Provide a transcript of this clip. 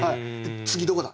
次どこだ？